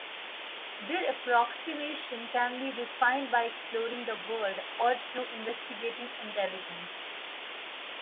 Their approximation can be refined by exploring the world or through investigating intelligence.